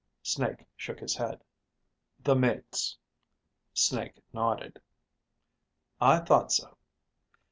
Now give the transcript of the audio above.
Snake shook his head. "The mate's?" Snake nodded. "I thought so.